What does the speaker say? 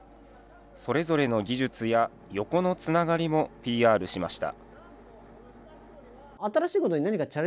それぞれの技術や横のつながりもＰＲしました。